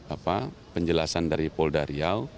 apa penjelasan dari pol dari